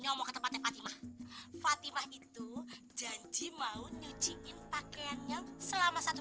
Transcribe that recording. yang kotor segala lagi bener bener fatimah itu janji mau nyuciin pakaiannya selama satu